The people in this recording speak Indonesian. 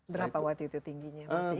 berapa waktu itu tingginya masih ingat gak